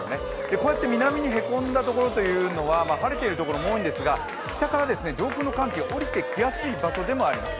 こうやって南にへこんだところというのは晴れているところも多いんですが北から上空の寒気が下りてきやすい場所でもあります。